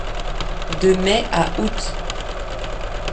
De mai à août.